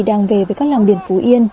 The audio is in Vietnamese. đang về với các làng biển phú yên